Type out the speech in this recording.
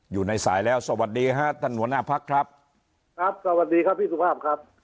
อยู่ในสายแล้วสวัสดีฮะท่านหัวหน้าพักครับครับสวัสดีครับพี่สุภาพครับ